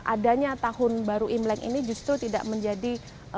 adanya tahun baru imlek ini justru tidak menjadi